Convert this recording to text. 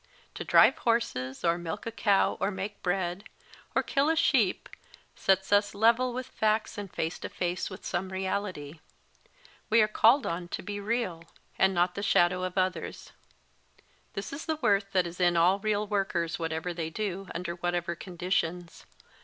To drive horses or milk a cow or make bread, or kill a sheep, sets us level with facts and face to face with some reality. We are called on to be real, COWBOY ROBERTS MO R LEY ROBERTS 187 and not the shadow of others. This is the worth that is in all real workers, whatever they do, under whatever conditions.